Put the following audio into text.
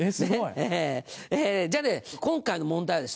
じゃあ今回の問題はですね